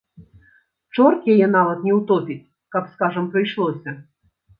Чорт яе нават не ўтопіць, каб, скажам, прыйшлося.